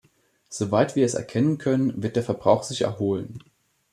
Soweit wir es erkennen können, wird der Verbrauch sich erholen.